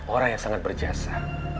orang yang sangat berjasa